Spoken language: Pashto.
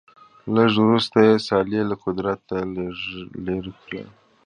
لږ وروسته یې صالح له قدرته لیرې کړ.